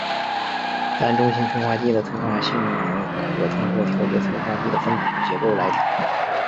单中心催化剂的催化性能可通过调节催化剂的分子结构来调控。